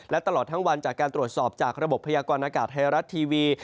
และตลอดทั้งวันจากการตรวจสอบจากระบบพยากรณากาศไทยรัฐทีวี